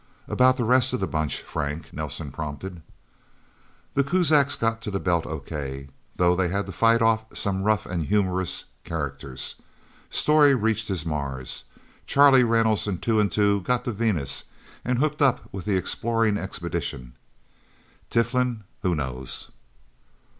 "About the rest of the Bunch?" Frank Nelsen prompted. "The Kuzaks got to the Belt okay though they had to fight off some rough and humorous characters. Storey reached his Mars. Charlie Reynolds and Two and Two got to Venus, and hooked up with the exploring expedition. Tiflin? Who knows?"